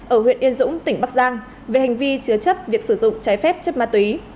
ở huyện yên dũng tỉnh bắc giang về hành vi chứa chấp việc sử dụng trái phép chất ma túy